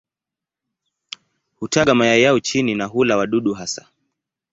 Hutaga mayai yao chini na hula wadudu hasa.